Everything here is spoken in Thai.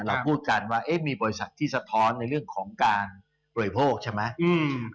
เราพูดกันว่าเอ๊ะมีบริษัทที่สะท้อนในเรื่องของการบริโภคใช่ไหม